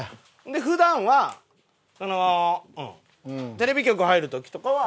普段はそのテレビ局入る時とかは。